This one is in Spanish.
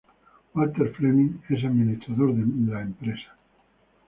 Walter Fleming es administrador de empresas.